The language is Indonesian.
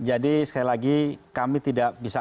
sekali lagi kami tidak bisa